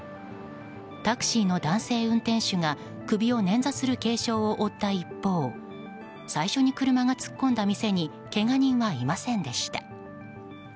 タクシーの男性運転手が首をねんざする軽傷を負った一方最初に車が突っ込んだ店にけが人はいませんでした。